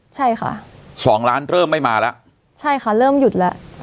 ใช่ค่ะสองล้านเริ่มไม่มาแล้วใช่ค่ะเริ่มหยุดแล้ว